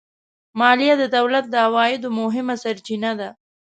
مالیه د دولت د عوایدو مهمه سرچینه ده